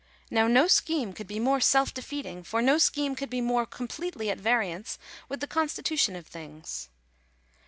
Now no scheme could be more self defeating, for no scheme could be more completely at variance with the consti tution of things.